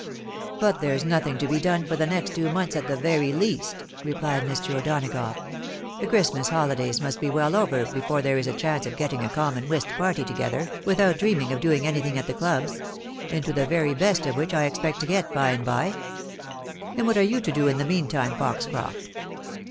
" But there's nothing to be done for the next two months at the very least," repHed Mr. O'Donagough. " The Christmas holidays must be well over before there is a chance of getting a common whist party together, without dreaming of doing anything at the clubs — into the very best of which I expect to get by and by. And what are you to do in the meaiitime, Foxcroft?